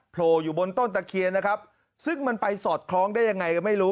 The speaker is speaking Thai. โผล่อยู่บนต้นตะเคียนนะครับซึ่งมันไปสอดคล้องได้ยังไงก็ไม่รู้